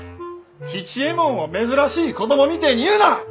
吉右衛門を珍しい子供みてえに言うな！